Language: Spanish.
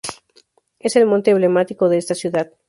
Es el monte emblemático de esta ciudad.